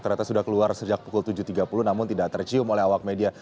ternyata sudah keluar sejak pukul tujuh tiga puluh namun tidak tercium oleh awak media